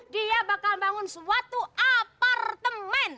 dia bakal bangun suatu apartemen